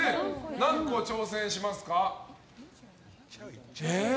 何個挑戦しますか？